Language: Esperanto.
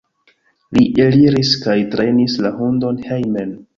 Li eliris kaj trenis la hundon hejmen.